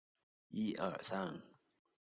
在现代它是极罕见的姓氏。